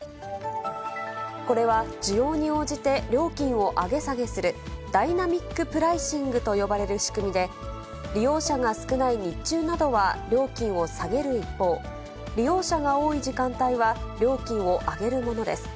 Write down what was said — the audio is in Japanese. これは需要に応じて、料金を上げ下げする、ダイナミックプライシングと呼ばれる仕組みで、利用者が少ない日中などは料金を下げる一方、利用者が多い時間帯は、料金を上げるものです。